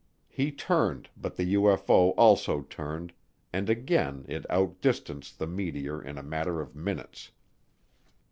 He turned but the UFO also turned, and again it outdistanced the Meteor in a matter of minutes.